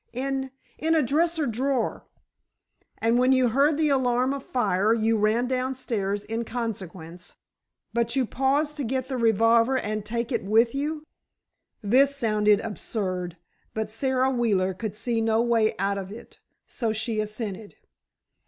"In—in a dresser drawer." "And, when you heard the alarm of fire, you ran downstairs in consequence—but you paused to get the revolver and take it with you!" This sounded absurd, but Sara Wheeler could see no way out of it, so she assented.